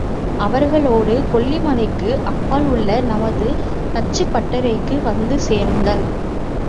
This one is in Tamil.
அவர்களோடு கொல்லிமலைக்கு அப்பால் உள்ள நமது தச்சுப்பட்டறைக்கு வந்து சேருங்கள்.